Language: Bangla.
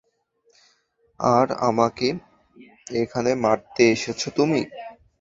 আর আমাকে এখানে মারতে এসেছো তুমি।